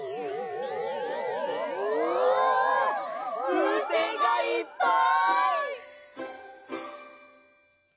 ふうせんがいっぱい！